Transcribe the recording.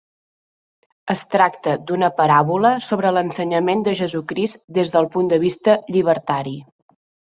Es tracta d'una paràbola sobre l'ensenyament de Jesucrist des del punt de vista llibertari.